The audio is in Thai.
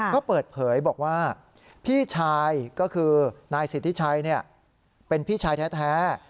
ก็เปิดเผยบอกว่าพี่ชายก็คือนายสิทธิชัยเป็นพี่ชายแท้